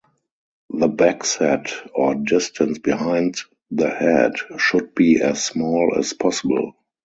The backset, or distance behind the head, should be as small as possible.